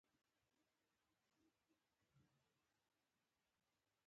هغه وویل: دې لعنتي جګړې ته دې څنګه مخه وکړه؟